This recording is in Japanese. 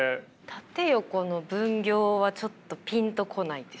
縦横の分業はちょっとピンとこないです。